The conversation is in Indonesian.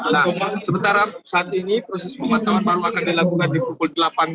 nah sementara saat ini proses pemantauan baru akan dilakukan di pukul delapan belas